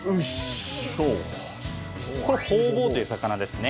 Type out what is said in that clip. これはホウボウという魚ですね。